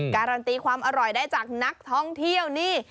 การันตีความอร่อยได้จากนักท่องเที่ยวนี่